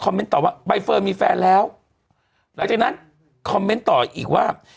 คอมเมนต์ต่อว่าบายเฟิร์นมีแฟนแล้วหลังจากนั้นคอมเมนต์ต่ออีกว่า